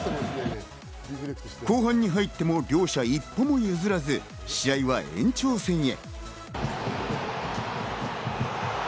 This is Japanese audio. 後半に入っても両者一歩も譲らず、試合は延長戦へ。